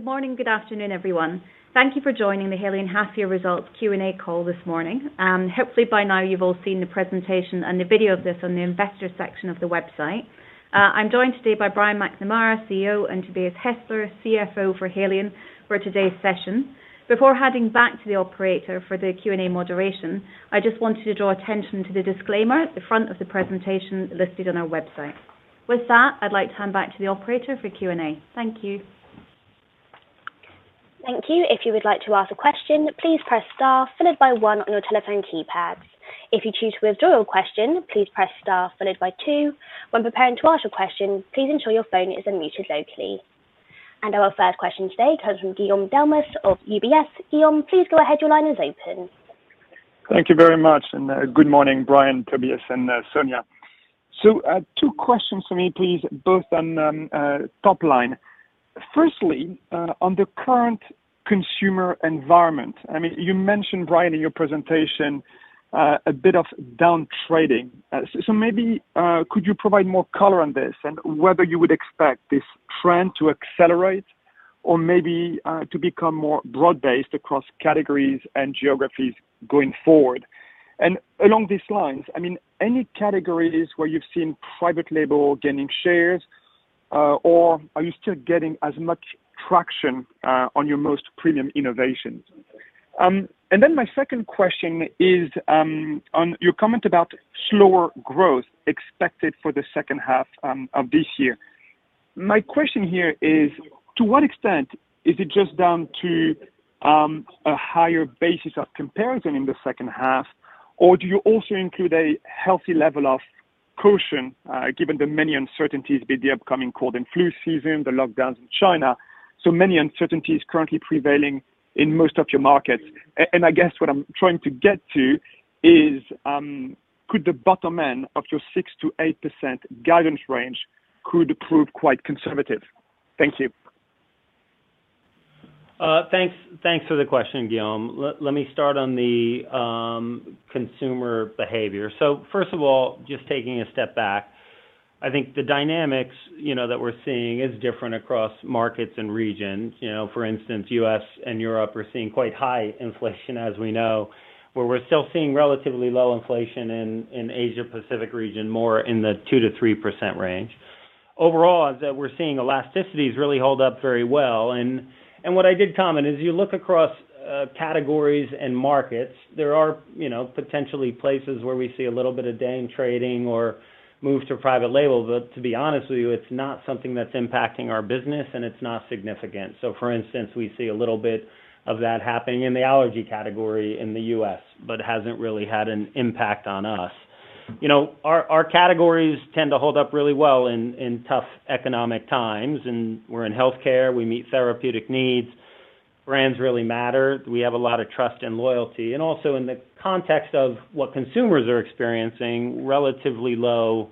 Good morning, good afternoon, everyone. Thank you for joining the Haleon half year results Q&A call this morning. Hopefully by now you've all seen the presentation and the video of this on the investor section of the website. I'm joined today by Brian McNamara, CEO, and Tobias Hestler, CFO for Haleon for today's session. Before handing back to the operator for the Q&A moderation, I just wanted to draw attention to the disclaimer at the front of the presentation listed on our website. With that, I'd like to hand back to the operator for Q&A. Thank you. Thank you. If you would like to ask a question, please press star followed by one on your telephone keypads. If you choose to withdraw your question, please press star followed by two. When preparing to ask your question, please ensure your phone is unmuted locally. Our first question today comes from Guillaume Delmas of UBS. Guillaume, please go ahead. Your line is open. Thank you very much, and good morning, Brian, Tobias, and Sonya. Two questions for me, please, both on top line. Firstly, on the current consumer environment, I mean, you mentioned, Brian, in your presentation, a bit of down trading. Maybe you could provide more color on this and whether you would expect this trend to accelerate or maybe to become more broad-based across categories and geographies going forward. Along these lines, I mean, any categories where you've seen private label gaining shares, or are you still getting as much traction on your most premium innovations? Then my second question is on your comment about slower growth expected for the second half of this year. My question here is, to what extent is it just down to a higher basis of comparison in the second half? Or do you also include a healthy level of caution, given the many uncertainties before the upcoming cold and flu season, the lockdowns in China, so many uncertainties currently prevailing in most of your markets? And I guess what I'm trying to get to is, the bottom end of your 6%-8% guidance range could prove quite conservative? Thank you. Thanks for the question, Guillaume. Let me start on the consumer behavior. First of all, just taking a step back, I think the dynamics, you know, that we're seeing is different across markets and regions. You know, for instance, U.S. and Europe, we're seeing quite high inflation as we know, where we're still seeing relatively low inflation in Asia-Pacific region, more in the 2%-3% range. Overall, is that we're seeing elasticities really hold up very well. And what I did comment is you look across categories and markets. There are, you know, potentially places where we see a little bit of down-trading or move to private label. But to be honest with you, it's not something that's impacting our business and it's not significant. For instance, we see a little bit of that happening in the allergy category in the U.S., but it hasn't really had an impact on us. You know, our categories tend to hold up really well in tough economic times, and we're in healthcare. We meet therapeutic needs. Brands really matter. We have a lot of trust and loyalty. Also in the context of what consumers are experiencing, relatively low,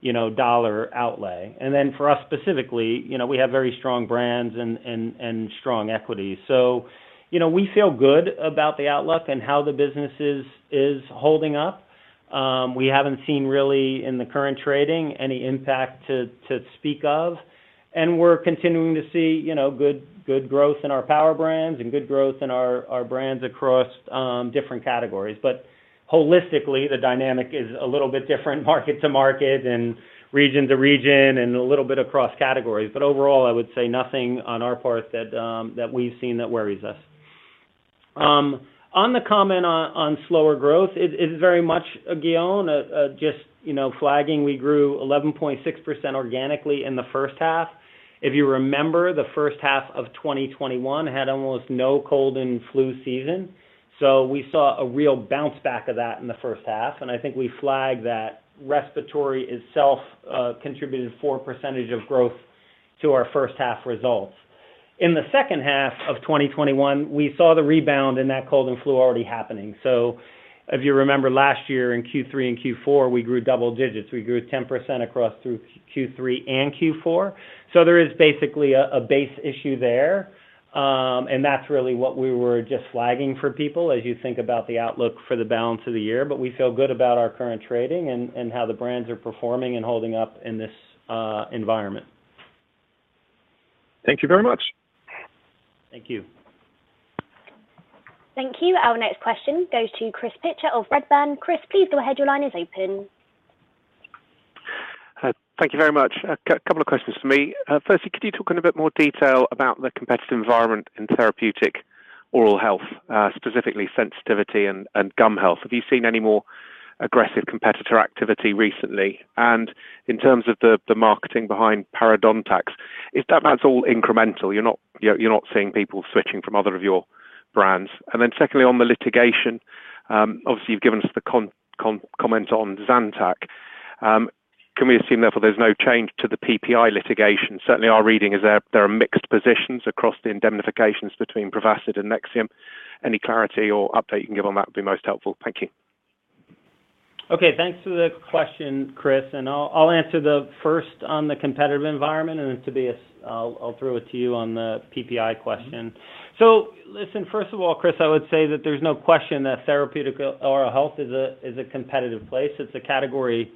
you know, dollar outlay. For us specifically, you know, we have very strong brands and strong equity. You know, we feel good about the outlook and how the business is holding up. We haven't seen really in the current trading any impact to speak of, and we're continuing to see, you know, good growth in our power brands and good growth in our brands across different categories. Holistically, the dynamic is a little bit different market to market and region to region and a little bit across categories. Overall, I would say nothing on our part that we've seen that worries us. On the comment on slower growth is very much, Guillaume, a just, you know, flagging. We grew 11.6% organically in the first half. If you remember, the first half of 2021 had almost no cold and flu season, so we saw a real bounce back of that in the first half, and I think we flagged that respiratory itself contributed 4% of growth to our first half results. In the second half of 2021, we saw the rebound in that cold and flu already happening. If you remember last year in Q3 and Q4, we grew double digits. We grew 10% across through Q3 and Q4. There is basically a base issue there, and that's really what we were just flagging for people as you think about the outlook for the balance of the year. We feel good about our current trading and how the brands are performing and holding up in this environment. Thank you very much. Thank you. Thank you. Our next question goes to Chris Pitcher of Redburn. Chris, please go ahead. Your line is open. Thank you very much. A couple of questions for me. Firstly, could you talk in a bit more detail about the competitive environment in therapeutic oral health, specifically sensitivity and gum health? Have you seen any more aggressive competitor activity recently? And in terms of the marketing behind parodontax, if that's all incremental, you're not seeing people switching from other of your brands. And then secondly, on the litigation, obviously you've given us the comment on Zantac. Can we assume therefore there's no change to the PPI litigation? Certainly, our reading is there are mixed positions across the indemnifications between Prevacid and Nexium. Any clarity or update you can give on that would be most helpful. Thank you. Okay. Thanks for the question, Chris. I'll answer the first on the competitive environment and then Tobias, I'll throw it to you on the PPI question. Listen, first of all, Chris, I would say that there's no question that therapeutic oral health is a competitive place. It's a category.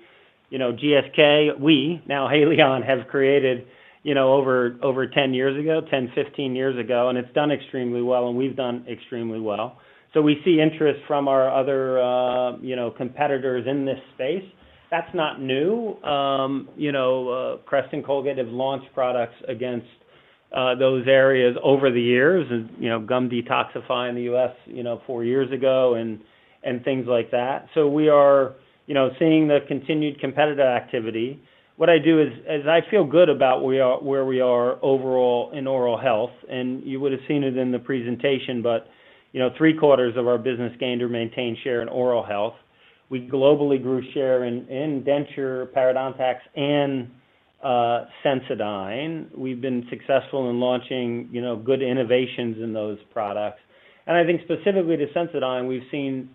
You know, GSK, we, now Haleon, have created, you know, over 10 years ago, 10, 15 years ago, and it's done extremely well, and we've done extremely well. We see interest from our other, you know, competitors in this space. That's not new. You know, Crest and Colgate have launched products against those areas over the years and, you know, Gum Detoxify in the U.S., you know, 4 years ago and things like that. We are, you know, seeing the continued competitive activity. What I do is I feel good about where we are overall in oral health, and you would have seen it in the presentation, but you know, three-quarters of our business gained or maintained share in oral health. We globally grew share in denture, parodontax, and Sensodyne. We've been successful in launching, you know, good innovations in those products. I think specifically to Sensodyne, we've seen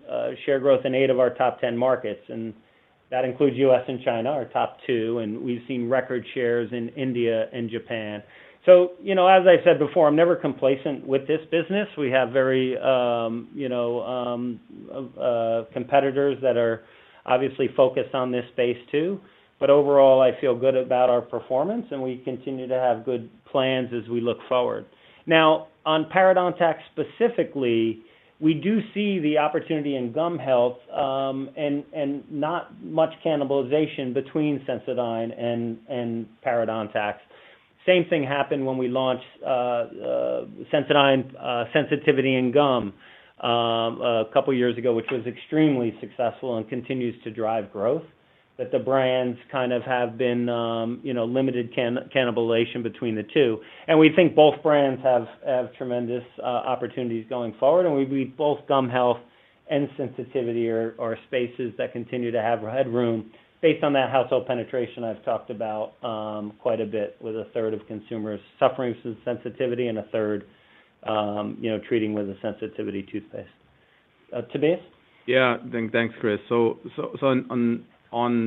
share growth in eight of our top 10 markets, and that includes U.S. and China, our top two, and we've seen record shares in India and Japan. You know, as I said before, I'm never complacent with this business. We have very competitors that are obviously focused on this space too. Overall, I feel good about our performance, and we continue to have good plans as we look forward. Now, on parodontax specifically, we do see the opportunity in gum health, and not much cannibalization between Sensodyne and parodontax. Same thing happened when we launched Sensodyne Sensitivity & Gum a couple of years ago, which was extremely successful and continues to drive growth. That the brands kind of have been you know limited cannibalization between the two. We think both brands have tremendous opportunities going forward, and we believe both gum health and sensitivity are spaces that continue to have headroom based on that household penetration I've talked about quite a bit with a third of consumers suffering from sensitivity and a third you know treating with a sensitivity toothpaste. Tobias? Thanks, Chris. On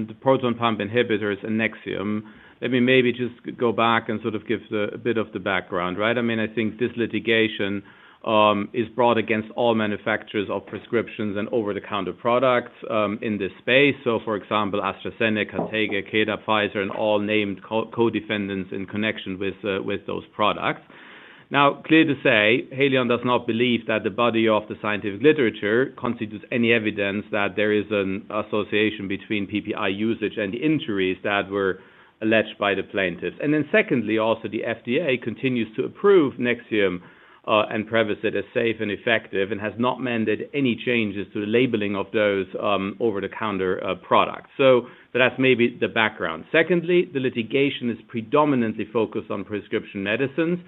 the proton pump inhibitors and Nexium, let me maybe just go back and sort of give a bit of the background, right? I mean, I think this litigation is brought against all manufacturers of prescriptions and over-the-counter products in this space. For example, AstraZeneca, Takeda, GSK, Pfizer, and all named co-defendants in connection with those products. Now, clear to say, Haleon does not believe that the body of the scientific literature constitutes any evidence that there is an association between PPI usage and the injuries that were alleged by the plaintiffs. Secondly, also, the FDA continues to approve Nexium and Prevacid as safe and effective and has not made any changes to the labeling of those over-the-counter products. That's maybe the background. Secondly, the litigation is predominantly focused on prescription medicines,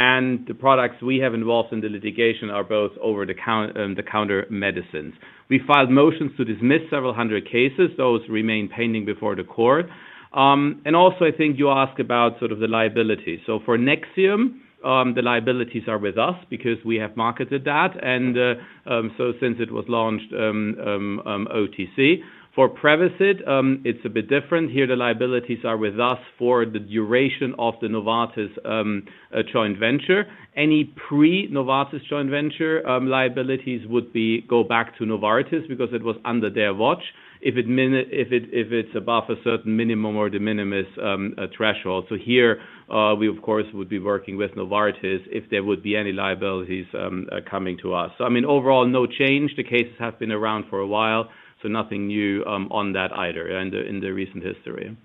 and the products we have involved in the litigation are both over-the-counter medicines. We filed motions to dismiss several hundred cases. Those remain pending before the court. I think you ask about sort of the liability. For Nexium, the liabilities are with us because we have marketed that and so since it was launched OTC. For Prevacid, it's a bit different. Here, the liabilities are with us for the duration of the Novartis joint venture. Any pre-Novartis joint venture liabilities would go back to Novartis because it was under their watch. If it's above a certain minimum or de minimis threshold. Here, we of course would be working with Novartis if there would be any liabilities coming to us. I mean, overall, no change. The cases have been around for a while, so nothing new on that either in the recent history.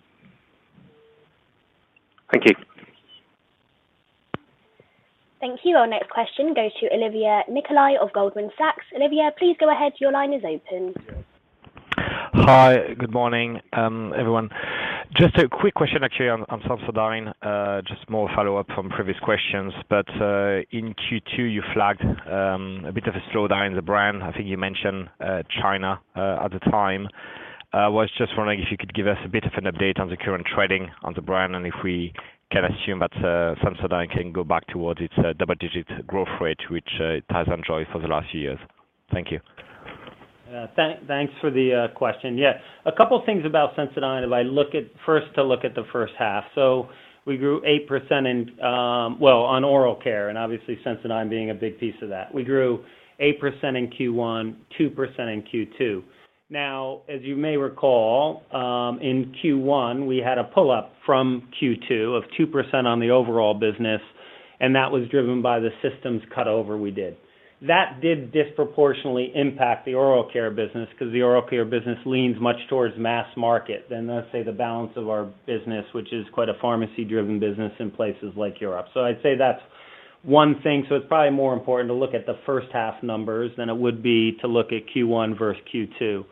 Thank you. Thank you. Our next question goes to Olivier Nicolaï of Goldman Sachs. Olivier, please go ahead. Your line is open. Hi. Good morning, everyone. Just a quick question, actually, on Sensodyne. Just more follow-up from previous questions. In Q2, you flagged a bit of a slowdown in the brand. I think you mentioned China at the time. Was just wondering if you could give us a bit of an update on the current trading on the brand, and if we can assume that Sensodyne can go back towards its double-digit growth rate, which it has enjoyed for the last few years. Thank you. Thanks for the question. Yeah. A couple of things about Sensodyne. First, to look at the first half. We grew 8% in oral care, and obviously, Sensodyne being a big piece of that. We grew 8% in Q1, 2% in Q2. Now, as you may recall, in Q1, we had a pull-up from Q2 of 2% on the overall business, and that was driven by the systems cutover we did. That did disproportionately impact the oral care business because the oral care business leans much towards mass market than, let's say, the balance of our business, which is quite a pharmacy-driven business in places like Europe. I'd say that's one thing. It's probably more important to look at the first half numbers than it would be to look at Q1 versus Q2.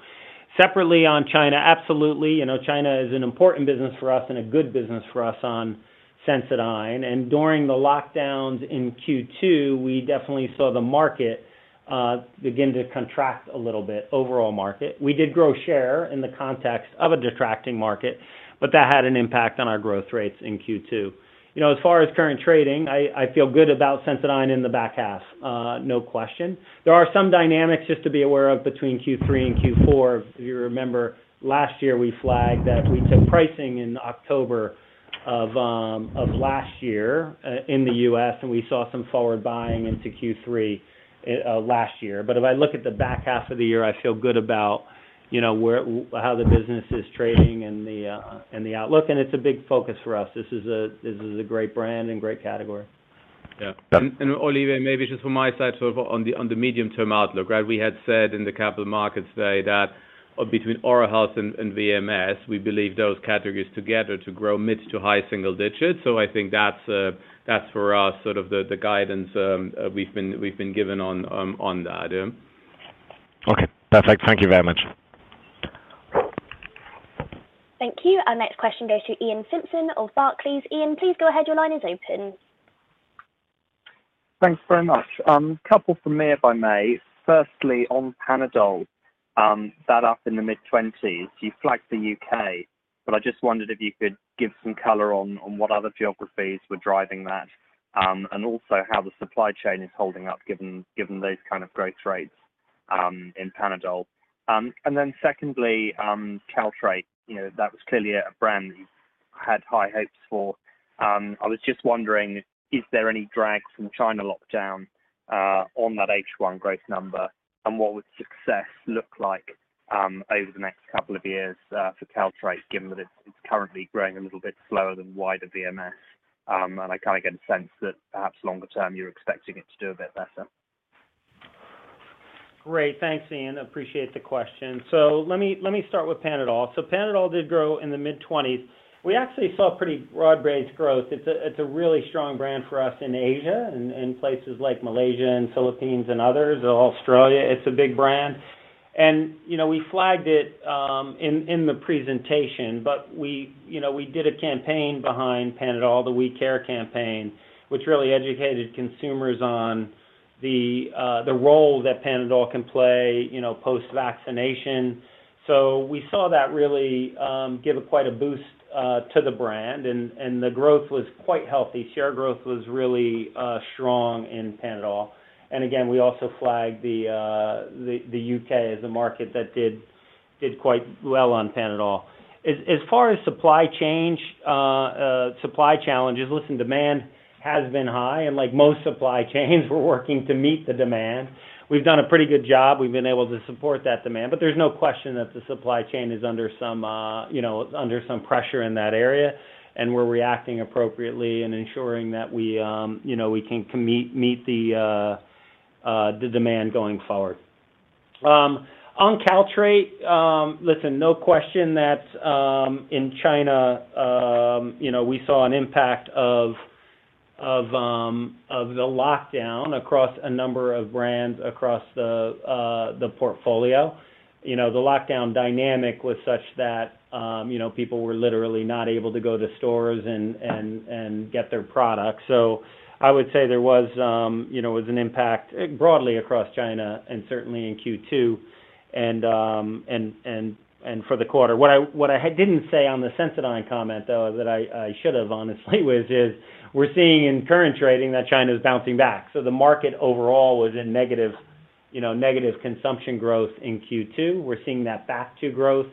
Separately on China, absolutely. You know, China is an important business for us and a good business for us on Sensodyne. During the lockdowns in Q2, we definitely saw the market begin to contract a little bit, overall market. We did grow share in the context of a contracting market, but that had an impact on our growth rates in Q2. You know, as far as current trading, I feel good about Sensodyne in the back half, no question. There are some dynamics just to be aware of between Q3 and Q4. If you remember, last year, we flagged that we took pricing in October of last year in the U.S., and we saw some forward buying into Q3 last year. If I look at the back half of the year, I feel good about. You know, where, how the business is trading and the, and the outlook, and it's a big focus for us. This is a great brand and great category. Olivier, maybe just from my side, sort of on the medium-term outlook. Right, we had said at the Capital Markets Day that between Oral Health and VMS, we believe those categories together to grow mid- to high-single-digit. I think that's for us sort of the guidance we've been given on that. Okay, perfect. Thank you very much. Thank you. Our next question goes to Iain Simpson of Barclays. Iain, please go ahead. Your line is open. Thanks very much. Couple from me, if I may. Firstly, on Panadol, that up in the mid-20%, you flagged the U.K., but I just wondered if you could give some color on what other geographies were driving that, and also how the supply chain is holding up given those kind of growth rates in Panadol. Secondly, Caltrate, you know, that was clearly a brand that you had high hopes for. I was just wondering, is there any drags from China lockdown on that H1 growth number, and what would success look like over the next couple of years for Caltrate, given that it's currently growing a little bit slower than wider VMS. I kinda get a sense that perhaps longer term, you're expecting it to do a bit better. Great. Thanks, Iain. Appreciate the question. Let me start with Panadol. Panadol did grow in the mid-20%. We actually saw pretty broad-based growth. It's a really strong brand for us in Asia and places like Malaysia and Philippines and others. Australia, it's a big brand. You know, we flagged it in the presentation, but we, you know, we did a campaign behind Panadol, the We Care campaign, which really educated consumers on the role that Panadol can play, you know, post-vaccination. We saw that really give quite a boost to the brand. The growth was quite healthy. Share growth was really strong in Panadol. Again, we also flagged the U.K. as a market that did quite well on Panadol. As far as supply chain supply challenges, listen, demand has been high, and like most supply chains, we're working to meet the demand. We've done a pretty good job. We've been able to support that demand. There's no question that the supply chain is under some pressure in that area, and we're reacting appropriately and ensuring that we can meet the demand going forward. On Caltrate, listen, no question that in China, you know, we saw an impact of the lockdown across a number of brands across the portfolio. You know, the lockdown dynamic was such that people were literally not able to go to stores and get their products. I would say there was, you know, an impact broadly across China and certainly in Q2 and for the quarter. What I didn't say on the Sensodyne comment, though, that I should have, honestly, is we're seeing in current trading that China's bouncing back. The market overall was in negative, you know, consumption growth in Q2. We're seeing that back to growth.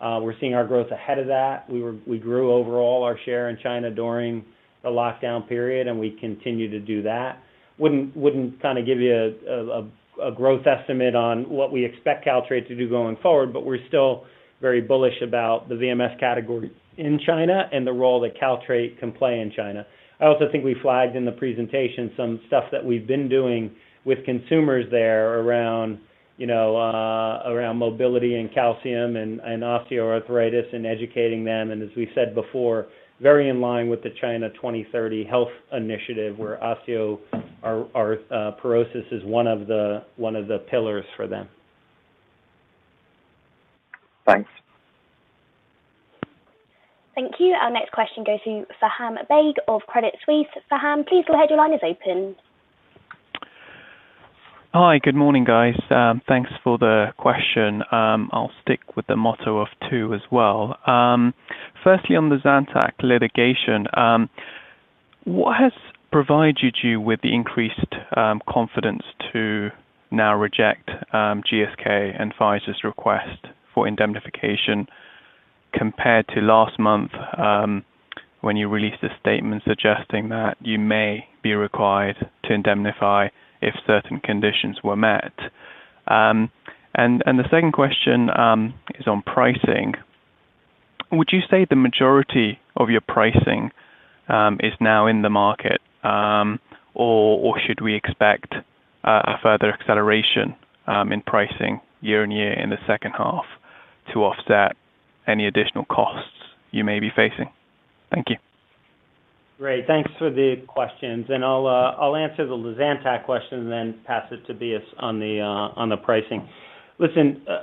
We're seeing our growth ahead of that. We grew overall our share in China during the lockdown period, and we continue to do that. Wouldn't kinda give you a growth estimate on what we expect Caltrate to do going forward, but we're still very bullish about the VMS category in China and the role that Caltrate can play in China. I also think we flagged in the presentation some stuff that we've been doing with consumers there around, you know, around mobility and calcium and osteoarthritis and educating them. As we said before, very in line with the Healthy China 2030, where osteoarthritis is one of the pillars for them. Thanks. Thank you. Our next question goes to Faham Baig of Credit Suisse. Faham, please go ahead. Your line is open. Hi. Good morning, guys. Thanks for the question. I'll stick with the motto of two as well. First, on the Zantac litigation, what has provided you with the increased confidence to now reject GSK and Pfizer's request for indemnification compared to last month, when you released a statement suggesting that you may be required to indemnify if certain conditions were met? And the second question is on pricing. Would you say the majority of your pricing is now in the market, or should we expect a further acceleration in pricing year-on-year in the second half to offset any additional costs you may be facing? Thank you. Great. Thanks for the questions. I'll answer the Zantac question and then pass it to Tobias on the pricing.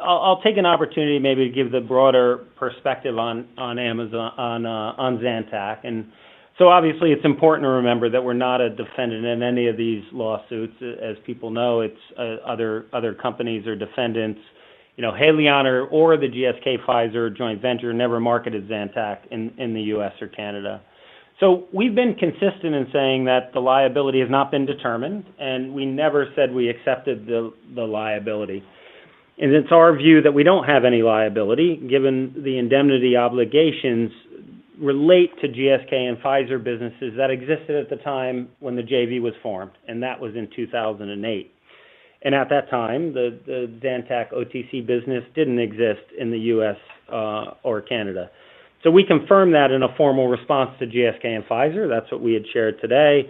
I'll take an opportunity maybe to give the broader perspective on Zantac. It's important to remember that we're not a defendant in any of these lawsuits. As people know, it's other companies or defendants. You know, Haleon or the GSK/Pfizer joint venture never marketed Zantac in the U.S. or Canada. We've been consistent in saying that the liability has not been determined, and we never said we accepted the liability. It's our view that we don't have any liability, given the indemnity obligations relate to GSK and Pfizer businesses that existed at the time when the JV was formed, and that was in 2008. At that time, the Zantac OTC business didn't exist in the U.S. or Canada. We confirmed that in a formal response to GSK and Pfizer. That's what we had shared today.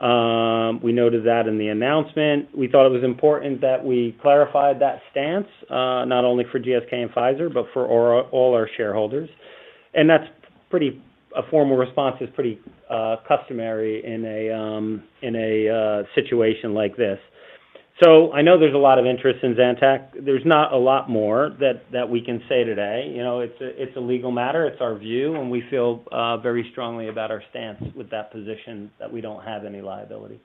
We noted that in the announcement. We thought it was important that we clarified that stance, not only for GSK and Pfizer, but for all our shareholders. That's pretty customary in a situation like this. I know there's a lot of interest in Zantac. There's not a lot more that we can say today. It's a legal matter, it's our view, and we feel very strongly about our stance with that position that we don't have any liability.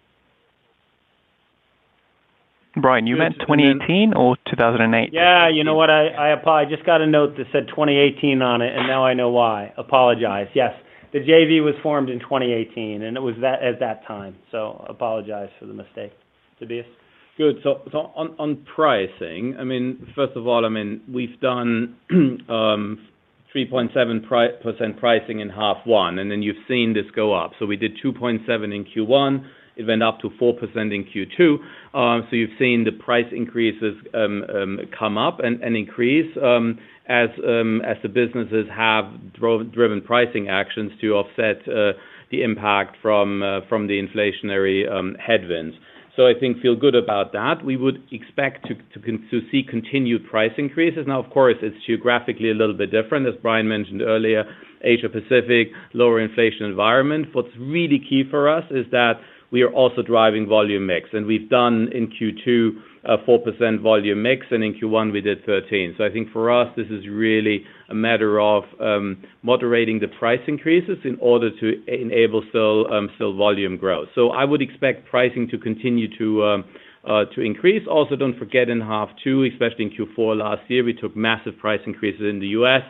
Brian, you meant 2018 or 2008? Yeah. You know what? I just got a note that said 2018 on it, and now I know why. Apologize. Yes. The JV was formed in 2018, and it was at that time. Apologize for the mistake. Tobias? Good. On pricing, I mean, first of all, I mean, we've done 3.7% pricing in half one, and then you've seen this go up. We did 2.7% in Q1. It went up to 4% in Q2. You've seen the price increases come up and increase as the businesses have driven pricing actions to offset the impact from the inflationary headwinds. I think feel good about that. We would expect to continue to see continued price increases. Now, of course, it's geographically a little bit different. As Brian mentioned earlier, Asia-Pacific, lower inflation environment. What's really key for us is that we are also driving volume mix, and we've done in Q2 a 4% volume mix, and in Q1 we did 13%. I think for us, this is really a matter of moderating the price increases in order to enable sale volume growth. I would expect pricing to continue to increase. Also, don't forget in half two, especially in Q4 last year, we took massive price increases in the U.S.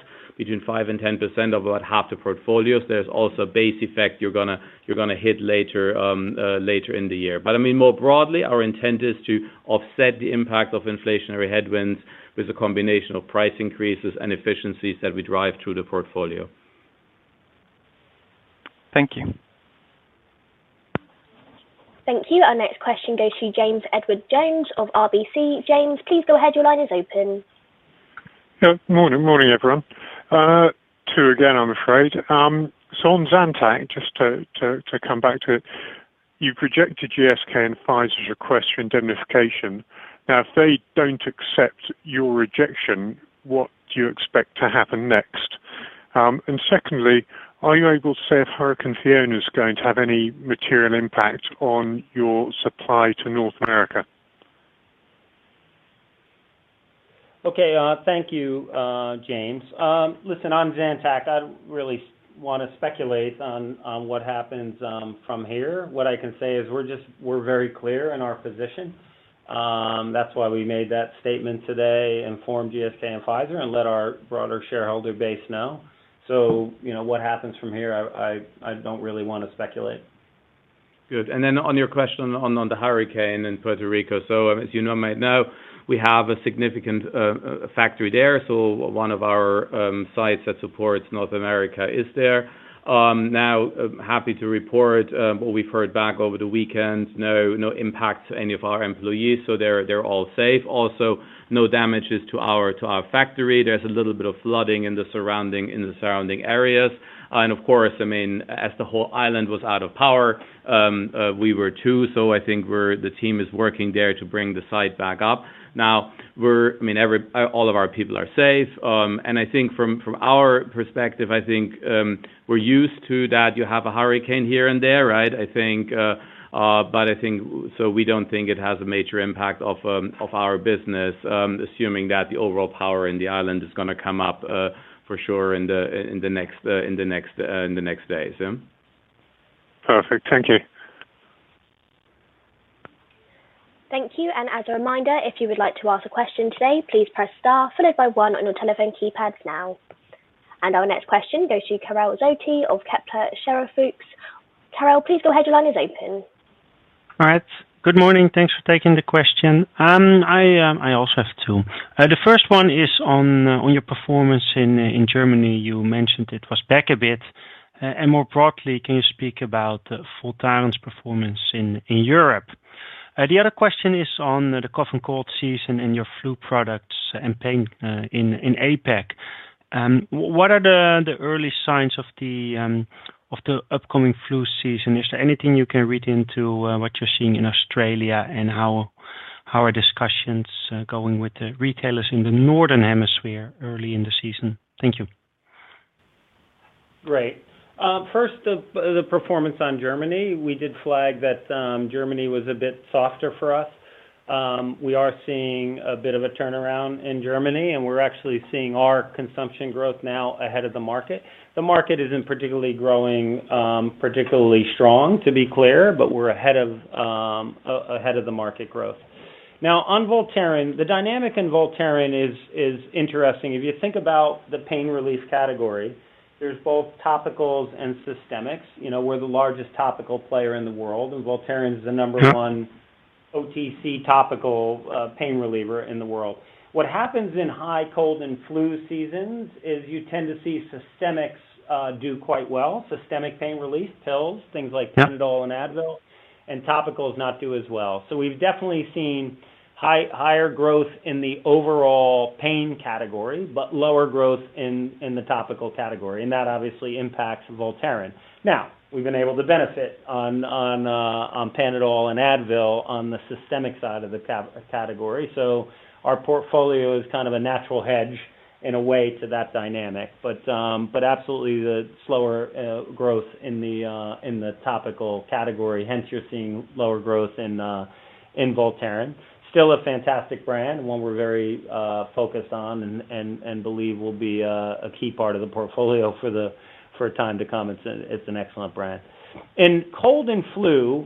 between 5%-10% of about half the portfolios. There's also base effect you're gonna hit later in the year. I mean, more broadly, our intent is to offset the impact of inflationary headwinds with a combination of price increases and efficiencies that we drive through the portfolio. Thank you. Thank you. Our next question goes to James Edwardes Jones of RBC. James, please go ahead. Your line is open. Morning, everyone. Two again, I'm afraid. On Zantac, just to come back to it, you rejected GSK and Pfizer's request for indemnification. Now, if they don't accept your rejection, what do you expect to happen next? Secondly, are you able to say if Hurricane Fiona is going to have any material impact on your supply to North America? Okay. Thank you, James. Listen, on Zantac, I don't really want to speculate on what happens from here. What I can say is we're very clear in our position. That's why we made that statement today, informed GSK and Pfizer and let our broader shareholder base know. You know, what happens from here, I don't really wanna speculate. Good. Then on your question on the hurricane in Puerto Rico. As you know, might know, we have a significant factory there. One of our sites that supports North America is there. Now happy to report what we've heard back over the weekend. No impact to any of our employees, so they're all safe. Also, no damages to our factory. There's a little bit of flooding in the surrounding areas. Of course, I mean, as the whole island was out of power, we were too. I think the team is working there to bring the site back up. Now I mean all of our people are safe. I think from our perspective, we're used to that you have a hurricane here and there, right? We don't think it has a major impact on our business, assuming that the overall power in the island is gonna come up for sure in the next days. Yeah. Perfect. Thank you. Thank you. As a reminder, if you would like to ask a question today, please press Star followed by one on your telephone keypads now. Our next question goes to Karel Zoete of Kepler Cheuvreux. Karel, please go ahead. Your line is open. All right. Good morning. Thanks for taking the question. I also have two. The first one is on your performance in Germany. You mentioned it was back a bit. And more broadly, can you speak about Voltaren's performance in Europe? The other question is on the cough and cold season and your flu products and pain in APAC. What are the early signs of the upcoming flu season? Is there anything you can read into what you're seeing in Australia and how are discussions going with the retailers in the Northern Hemisphere early in the season? Thank you. Great. First, the performance on Germany. We did flag that, Germany was a bit softer for us. We are seeing a bit of a turnaround in Germany, and we're actually seeing our consumption growth now ahead of the market. The market isn't particularly growing, particularly strong to be clear, but we're ahead of the market growth. Now on Voltaren, the dynamic in Voltaren is interesting. If you think about the pain relief category, there's both topicals and systemics. You know, we're the largest topical player in the world, and Voltaren is the number one OTC topical pain reliever in the world. What happens in high cold and flu seasons is you tend to see systemics do quite well, systemic pain relief pills, things like Tylenol and Advil, and topicals not do as well. We've definitely seen higher growth in the overall pain category, but lower growth in the topical category. That obviously impacts Voltaren. Now, we've been able to benefit on Panadol and Advil on the systemic side of the category. Our portfolio is kind of a natural hedge in a way to that dynamic. Absolutely, the slower growth in the topical category, hence you're seeing lower growth in Voltaren. Still a fantastic brand and one we're very focused on and believe will be a key part of the portfolio for time to come. It's an excellent brand. In cold and flu,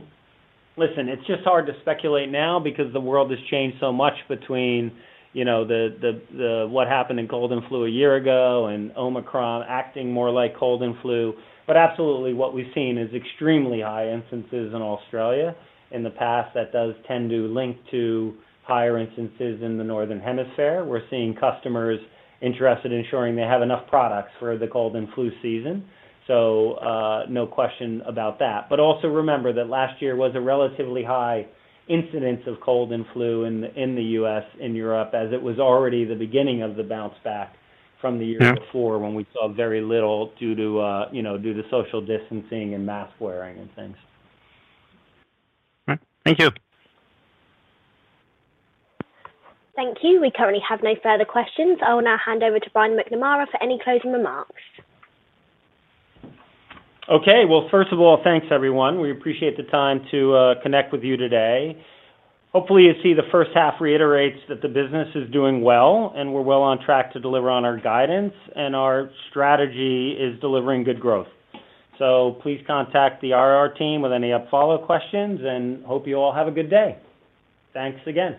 listen, it's just hard to speculate now because the world has changed so much between, you know, the what happened in cold and flu a year ago and Omicron acting more like cold and flu. Absolutely, what we've seen is extremely high instances in Australia. In the past, that does tend to link to higher instances in the northern hemisphere. We're seeing customers interested in ensuring they have enough products for the cold and flu season, so no question about that. Also remember that last year was a relatively high incidence of cold and flu in the U.S. and Europe as it was already the beginning of the bounce back from the year before when we saw very little due to, you know, due to social distancing and mask wearing and things. All right. Thank you. Thank you. We currently have no further questions. I will now hand over to Brian McNamara for any closing remarks. Okay. Well, first of all, thanks, everyone. We appreciate the time to connect with you today. Hopefully, you see the first half reiterates that the business is doing well, and we're well on track to deliver on our guidance, and our strategy is delivering good growth. Please contact the IR team with any follow-up questions, and hope you all have a good day. Thanks again.